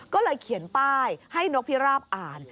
ก็เลยเขียนป้ายให้นกพิราบอ่าน